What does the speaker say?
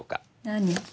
何？